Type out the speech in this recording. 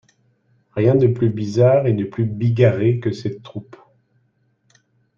Rien de plus bizarre et de plus bigarré que cette troupe.